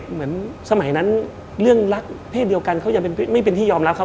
เหมือนสมัยนั้นเรื่องรักเพศเดียวกันเขายังไม่เป็นที่ยอมรับครับ